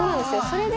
それで。